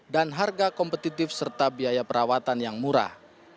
dan harga kompetitif serta biaya perawatan yang murah